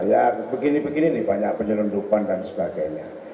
ya begini begini nih banyak penyelundupan dan sebagainya